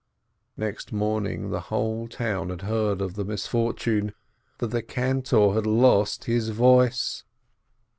Next morning the whole town had heard of the mis fortune— that the cantor had lost his voice.